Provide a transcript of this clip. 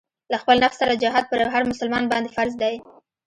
له خپل نفس سره جهاد پر هر مسلمان باندې فرض دی.